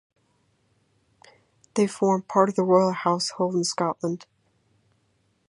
They form part of the Royal Household in Scotland.